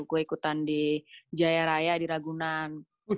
gue ikutan di jaya raya di ragunan